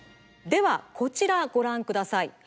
ではこちらごらんください。